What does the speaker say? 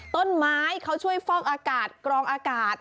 ต้นไม้เขาช่วยฟอกอากาศกรองอากาศ